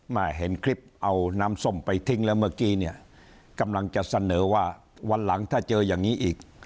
เห็นคลิปเอาน้ำส้มไปทิ้งแล้วเมื่อกี้เนี่ยกำลังจะเสนอว่าวันหลังถ้าเจออย่างนี้อีก